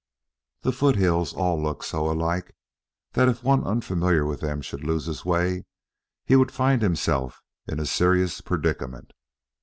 The foothills all looked so alike that if one unfamiliar with them should lose his way he would find himself in a serious predicament.